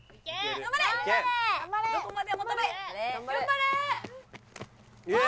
頑張れー！